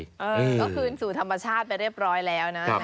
ก็คืนสู่ธรรมชาติไปเรียบร้อยแล้วนะ